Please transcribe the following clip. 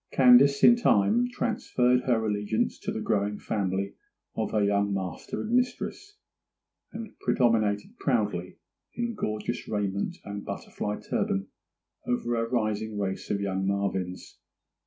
Candace, in time, transferred her allegiance to the growing family of her young master and mistress; and predominated proudly, in gorgeous raiment and butterfly turban, over a rising race of young Marvyns.